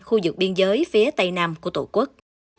khu vực biên giới phía tây nam của tổ quốc